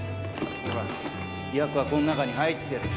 ほらヤクはこの中に入ってる。